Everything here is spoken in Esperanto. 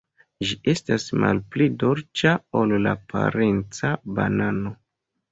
Ĝi estas malpli dolĉa ol la parenca banano.